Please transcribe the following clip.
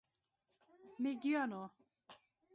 میږیانو،